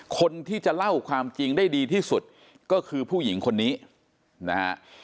คนที่จะเล่าความจริงได้ดีที่สุดก็คือผู้หญิงคนนี้นะฮะ